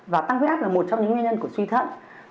và tăng huyết áp là một trong những nguyên nhân của suy thận